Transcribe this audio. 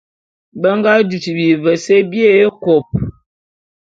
Be nga dutu bivese bié ékôp.